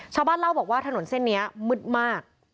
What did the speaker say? ชาวบ้านเล่าบอกว่าถนนเส้นนี้มืดมาก